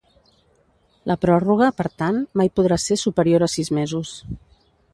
La pròrroga, per tant, mai podrà ser superior a sis mesos.